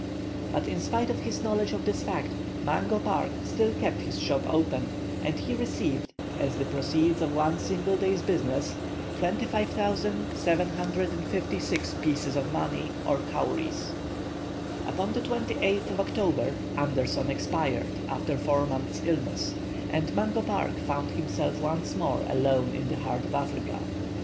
But in spite of his knowledge of this fact, Mungo Park still kept his shop open, and he received, as the proceeds of one single day's business, 25,756 pieces of money, or cowries." Upon the 28th of October Anderson expired, after four months' illness, and Mungo Park found himself once more alone in the heart of Africa.